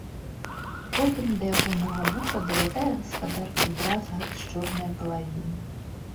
Потым да ягонага вуха далятае гаспадарчы бразгат з чорнае палавіны.